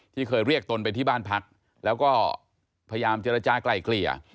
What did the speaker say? เคยเรียกตนไปที่บ้านพักแล้วก็พยายามเจรจากลายเกลี่ย